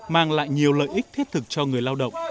mang lại nhiều lợi ích thiết thực cho người lao động